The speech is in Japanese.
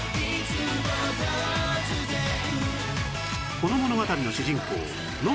この物語の主人公野上